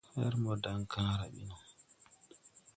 Fɛr mbɔ daŋkããra ɓi no.